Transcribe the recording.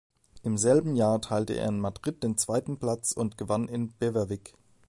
Im selben Jahr teilte er in Madrid den zweiten Platz und gewann in Beverwijk.